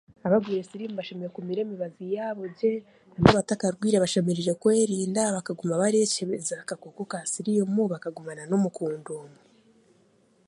Abagwire siriimu bashemereire kumira emibazi yaabo gye reero abatakarwaire bashemereire kwerinda bakaguma barekyebeza akakooko ka siriimu bakaguma n'omukundwa omwe